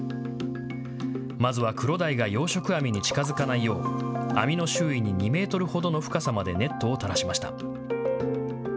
まずはクロダイが養殖網に近づかないよう網の周囲に２メートルほどの深さまでネットを垂らしました。